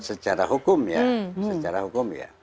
secara hukum ya secara hukum ya